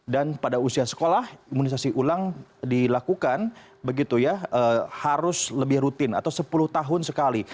dan pada usia sekolah imunisasi ulang dilakukan begitu ya harus lebih rutin atau sepuluh tahun sekali